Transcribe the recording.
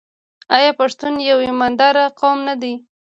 آیا پښتون یو ایماندار قوم نه دی؟